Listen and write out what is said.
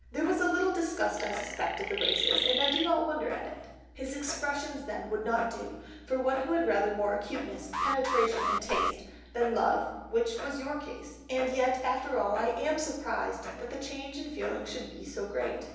There was a little disgust I suspect at the races, and I do not wonder at it. His expressions then would not do for one who had rather more acuteness, penetration, and taste, than love, which was your case, and yet after all I am surprised that the change in the feelings should be so great.